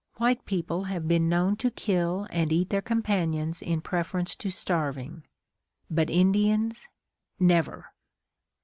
White people have been known to kill and eat their companions in preference to starving; but Indians never!